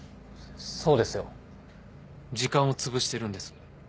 そうですよ時間をつぶしてるんです。